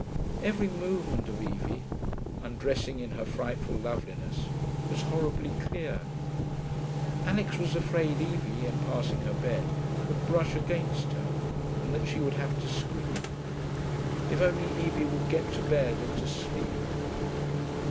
Every movement of Evie, undressing in her frightful loveliness, was horribly clear. Alix was afraid Evie, in passing her bed, would brush against her, and that she would have to scream. If only Evie would get to bed and to sleep.